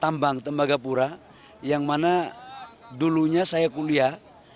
tambang tembagapura yang mana dulunya saya kuliah